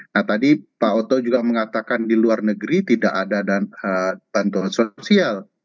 nah tadi pak oto juga mengatakan di luar negeri tidak ada bantuan sosial